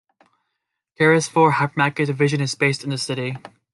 Carrefour's Hypermarket division is based in the city.